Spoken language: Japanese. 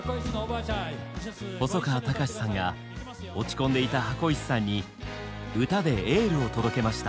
細川たかしさんが落ち込んでいた箱石さんに歌でエールを届けました。